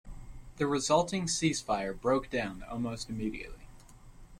The resulting ceasefire broke down almost immediately.